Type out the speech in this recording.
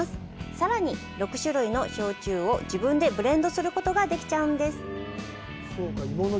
さらに、６種類の焼酎を自分でブレンドすることができちゃうんです。